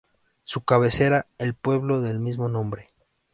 Su cabecera el pueblo del mismo nombre.